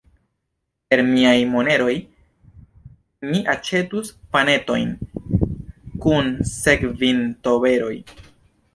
Per miaj moneroj mi aĉetus panetojn kun sekvinberoj.